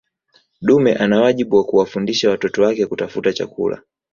dume ana wajibu wa kuwafundisha watoto wake kutafuta chakula